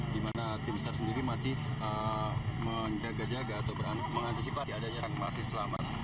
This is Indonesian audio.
di mana tim sar sendiri masih menjaga jaga atau mengantisipasi adanya yang masih selamat